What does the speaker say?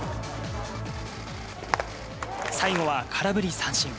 最後は空振り三振。